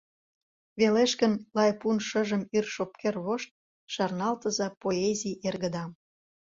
Велеш гын лай пун шыжым ир шопкер вошт, шарналтыза поэзий эргыдам…